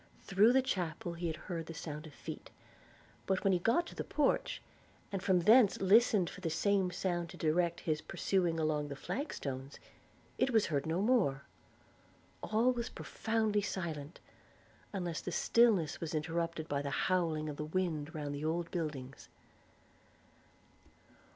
Through the chapel he had heard the sound of feet; but when he go to the porch, and from thence listened for the same sound to direct his pursuing along the flag stones, it was heard no more. All was profoundly silent, unless the stillness was interrupted by the howling of the wind round the old buildings.